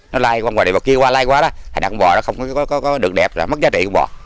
nó lai qua ngoài kia lai qua đó hay là con bò nó không có được đẹp mất giá trị của con bò